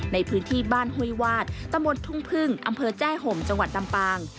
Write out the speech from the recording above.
ในพื้นที่บ้านห้วยวาดตำบลทุ่งพึ่งอำเภอแจ้ห่มจังหวัดลำปาง